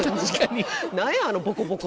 何やあのボコボコさ。